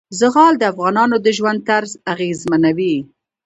زغال د افغانانو د ژوند طرز اغېزمنوي.